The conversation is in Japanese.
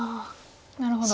なるほど。